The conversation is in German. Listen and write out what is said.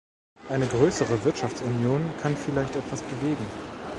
Eine größere Wirtschaftsunion kann vielleicht etwas bewegen.